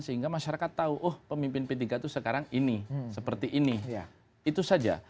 sehingga masyarakat tahu oh pemimpin p tiga itu sekarang ini seperti ini itu saja